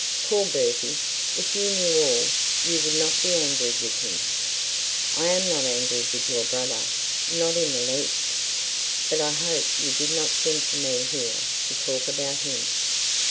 Poor Bertie! if you knew all, you would not be angry with him.' 'I am not angry with your brother not in the least. But I hope you did not send for me to talk about him.'